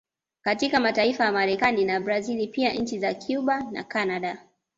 Katika mataifa ya Marekani na Brazil pia nchi za Cuba na Canada